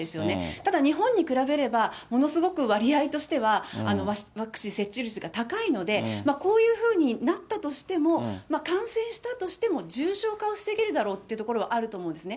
ただ、日本に比べれば、ものすごく割合としてはワクチン接種率が高いので、こういうふうになったとしても、感染したとしても、重症化を防げるだろうっていうところはあると思うんですね。